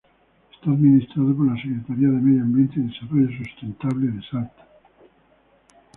Está administrado por la Secretaría de Medio Ambiente y Desarrollo Sustentable de Salta.